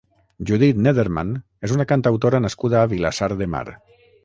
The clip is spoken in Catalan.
Judit Neddermann és una cantautora nascuda a Vilassar de Mar.